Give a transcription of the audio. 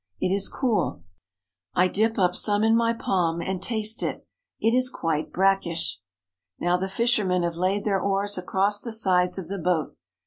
It is cool. I dip up some in my palm and taste it. It is quite brackish. Now the fishermen have laid their oars across the sides of the boat.